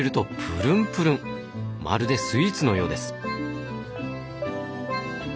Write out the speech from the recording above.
まるでスイーツのようです。